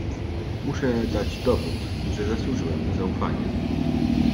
"Muszę dać dowód, że zasłużyłem na zaufanie."